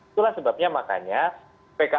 itulah sebabnya makanya ppkm mikro ini bergantung